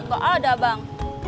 gak ada bang